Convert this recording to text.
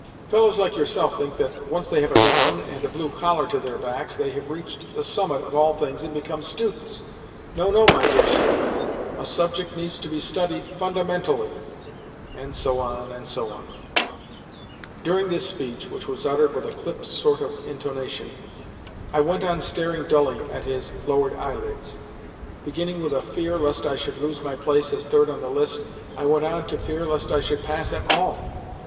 Fellows like yourself think that, once they have a gown and a blue collar to their backs, they have reached the summit of all things and become students. No, no, my dear sir. A subject needs to be studied FUNDAMENTALLY," and so on, and so on. During this speech (which was uttered with a clipped sort of intonation) I went on staring dully at his lowered eyelids. Beginning with a fear lest I should lose my place as third on the list, I went on to fear lest I should pass at all.